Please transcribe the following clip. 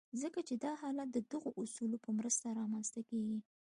ځکه چې دا حالت د دغو اصولو په مرسته رامنځته کېږي.